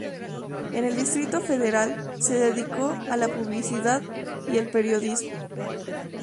En el Distrito Federal se dedicó a la publicidad y el periodismo.